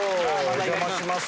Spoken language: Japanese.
お邪魔します。